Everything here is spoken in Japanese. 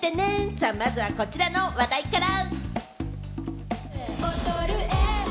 さぁまずはこちらの話題から。